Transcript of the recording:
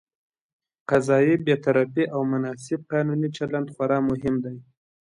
قضايي بېطرفي او مناسب قانوني چلند خورا مهم دي.